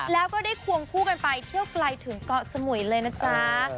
แล้วก็ได้ควงคู่กันไปเที่ยวไกลถึงเกาะสมุยเลยนะจ๊ะ